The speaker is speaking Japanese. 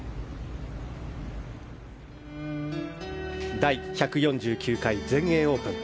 第１４９回全英オープン。